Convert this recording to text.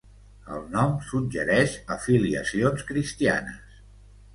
El nom suggereix afiliacions cristianes.